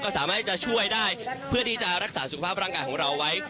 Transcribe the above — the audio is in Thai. สามารถที่จะช่วยได้เพื่อที่จะรักษาสุขภาพร่างกายของเราไว้